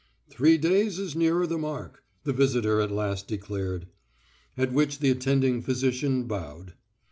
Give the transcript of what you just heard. "Three days is nearer the mark," the visitor at last declared. At which the attending physician bowed.